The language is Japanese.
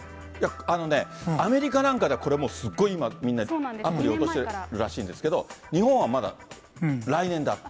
アメリカなんかでは、これすごい今、みんな、アプリ落としてるらしいんですけど、日本はまだ、来年だって。